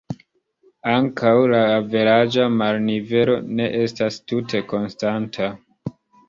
Ankaŭ la averaĝa marnivelo ne estas tute konstanta.